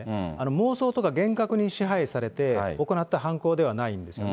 妄想とか幻覚に支配されて行った犯行ではないんですね。